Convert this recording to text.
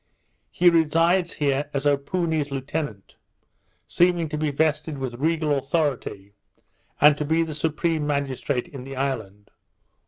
He resides here as Opoony's lieutenant; seeming to be vested with regal authority, and to be the supreme magistrate in the island.